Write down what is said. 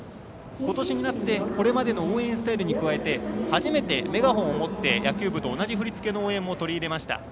今年になってこれまでの応援スタイルに加えて初めてメガホンを持って野球部と同じ振り付けの踊りも取り入れました。